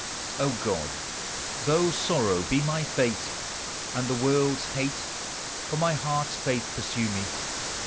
O God! though sorrow be my fate, And the world's hate For my heart's faith pursue me.